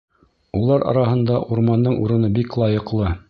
Улар араһында урмандың урыны бик лайыҡлы.